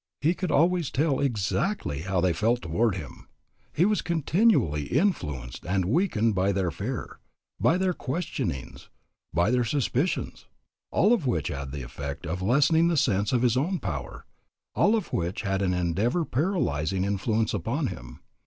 He could always tell exactly how they felt toward him; he was continually influenced and weakened by their fear, by their questionings, by their suspicions, all of which had the effect of lessening the sense of his own power, all of which had an endeavor paralyzing influence upon him.